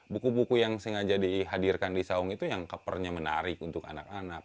buku buku yang sengaja dihadirkan di saung itu yang kepernya menarik untuk anak anak